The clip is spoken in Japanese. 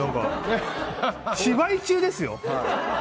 芝居中ですよ。